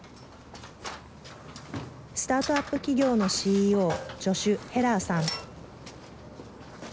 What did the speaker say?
スタートアップ企業のＣＥＯジョシュ・ヘラーさん。